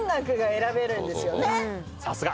さすが！